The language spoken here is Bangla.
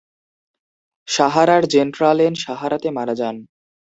সাহারার জেন্ট্রালেন সাহারাতে মারা যান।